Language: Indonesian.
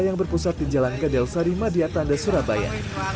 yang berpusat di jalan kedelsari madiatanda surabaya